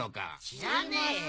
知らねえよ。